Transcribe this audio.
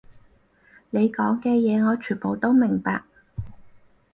你講嘅嘢，我全部都明白